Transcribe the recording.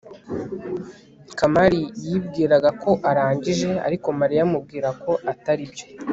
kamali yibwiraga ko arangije, ariko mariya amubwira ko atari byo